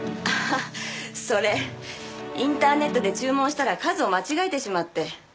ああそれインターネットで注文したら数を間違えてしまって。